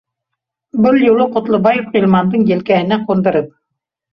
Был юлы Ҡотлобаев Ғилмандың елкәһенә ҡундырып